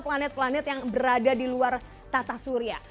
planet planet yang berada di luar tata surya